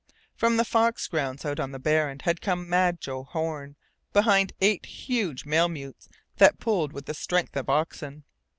From the fox grounds out on the Barren had come "Mad" Joe Horn behind eight huge malemutes that pulled with the strength of oxen.